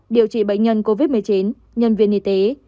điều trị bệnh nhân covid một mươi chín nhân viên y tế